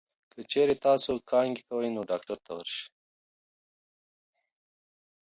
که چېرې تاسو کانګې کوئ، نو ډاکټر ته ورشئ.